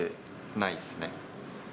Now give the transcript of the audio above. ないですね。